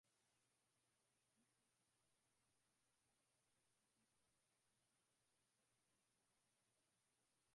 mama wa Chadema na napata muda wa mahakamani Napata muda wa kinywaji Mimi nakunywa